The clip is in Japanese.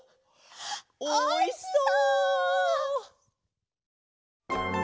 おいしそう！